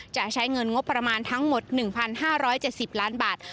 จะใช้เงินงบประมาณทั้งหมด๑๕๗๐ล้านบาท